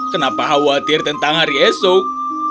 kenapa khawatir tentang hari esok